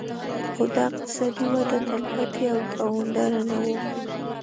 خو دا اقتصادي وده تلپاتې او دوامداره نه وه